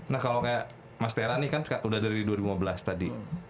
nah kalau kayak mas tera nih kan udah dari dua ribu lima belas tadi